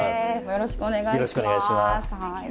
よろしくお願いします。